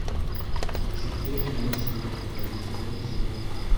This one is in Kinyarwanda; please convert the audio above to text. Mfite umunsi mubi. Nagize umunsi mubi.